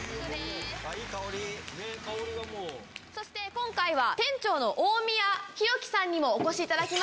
今回は店長の近江谷博樹さんにもお越しいただきました。